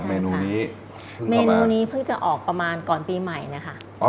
เมนูนี้เมนูนี้เพิ่งจะออกประมาณก่อนปีใหม่นะคะ